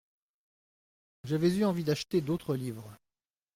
J’avais eu envie d’acheter d’autres livres.